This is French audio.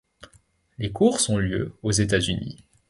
Les courses ont lieu aux États-Unis.